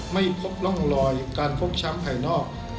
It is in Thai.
ไม่พบร่องรอยการฟกช้ำภายนอก